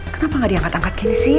kenapa gak diangkat angkat gini sih